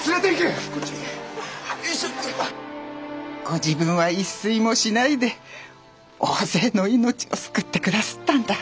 ご自分は一睡もしないで大勢の命を救って下すったんだ。